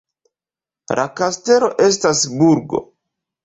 La kastelo estas burgo.